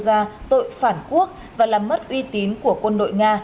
nga cũng đã buộc tội karamirov tội phản quốc và làm mất uy tín của quân đội nga